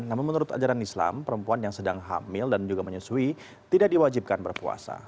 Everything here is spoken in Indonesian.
namun menurut ajaran islam perempuan yang sedang hamil dan juga menyusui tidak diwajibkan berpuasa